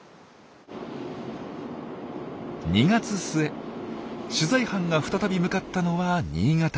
２月末取材班が再び向かったのは新潟。